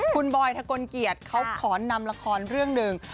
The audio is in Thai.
คุณบอยทะกลเกียจเขาขอนำละครเรื่องหนึ่ง